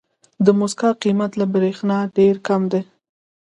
د موسکا قیمت له برېښنا ډېر کم دی.